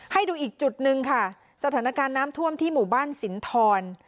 ให้ดูอีกจุดหนึ่งค่ะสถานการณ์น้ำท่วมที่หมู่บ้านสินทร